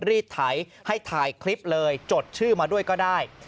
รีดไถให้ถ่ายคลิปเลยจดชื่อมาด้วยก็ได้